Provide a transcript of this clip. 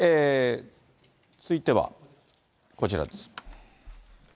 続いてはこちらです。